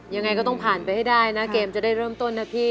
ยังไงก็ต้องผ่านไปให้ได้นะเกมจะได้เริ่มต้นนะพี่